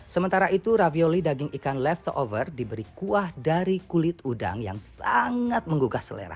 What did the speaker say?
sementara itu ravioli daging ikan leftover diberi kuah dari kulit udang yang sangat menggugah selera